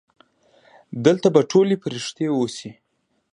دلته به ټولې پرښتې اوسي.